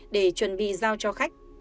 để chuẩn bị giao cho khách